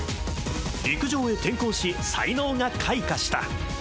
陸上へ転向し、才能が開花した。